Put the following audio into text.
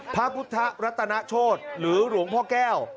พระพุทธรัตนโชธหรือหลวงพ่อแก้ว